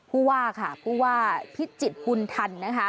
ผู้ว่าขาผู้ว่าพิจิตภูนิธรรณนะฮะ